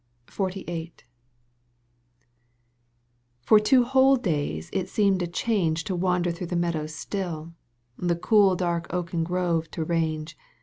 XLVIIL For two whole days it seemed a change To wander through the meadows still, The cool dark oaken grove to range.